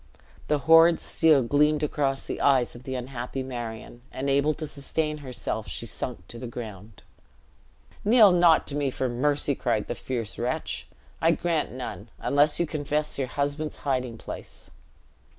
The horrid steel gleamed across the eyes of the unhappy Marion; unable to sustain herself, she sunk to the ground. "Kneel not to me for mercy!" cried the fierce wretch; "I grant none, unless you confess your husband's hiding place."